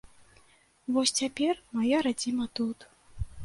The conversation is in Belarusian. Вось цяпер мая радзіма тут.